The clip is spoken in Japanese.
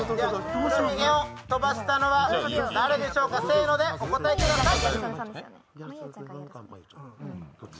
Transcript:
黒ひげを飛ばしたのは誰でしょうか、お答えください。